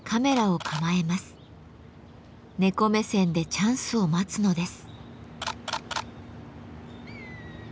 猫目線でチャンスを待つのです。